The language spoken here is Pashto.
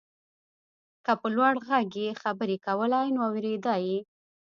که په لوړ غږ يې خبرې کولای نو اورېده يې.